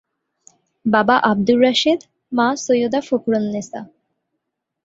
বাবা আবদুর রাশেদ, মা সৈয়দা ফখরুননেছা।